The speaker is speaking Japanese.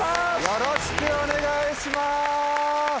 よろしくお願いします。